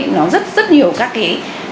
nó rất rất nhiều các cái